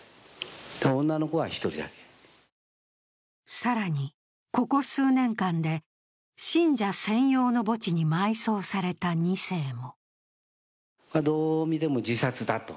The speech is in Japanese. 更に、ここ数年間で信者専用の墓地に埋葬された２世も。